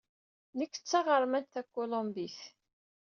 Nekk d taɣermant takulumbit.